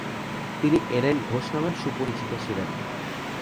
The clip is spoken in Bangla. তিনি এন এন ঘোষ নামে সুপরিচিত ছিলেন।